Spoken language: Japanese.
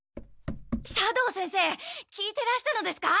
斜堂先生聞いてらしたのですか？